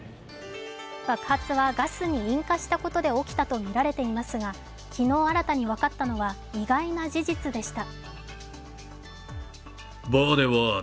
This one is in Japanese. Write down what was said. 爆発はガスに引火したことで起きたとみられていますが、昨日新たに分かったのは意外な事実でした。